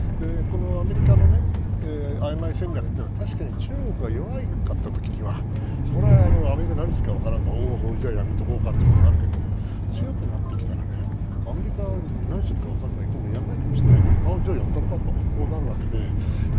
アメリカのあいまい戦略というのは確かに中国が弱かった時にはそれはアメリカは何をするか分からんからじゃあ、やめておこうかってなるけれども強くなってきたらアメリカ何をするか分からないやらないかもしれないじゃあ、やったろかとなるわけで。